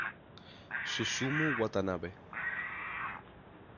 Susumu Watanabe